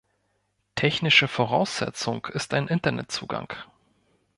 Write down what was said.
Technische Voraussetzung ist ein Internetzugang.